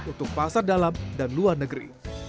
untuk pasar dalam dan luar negeri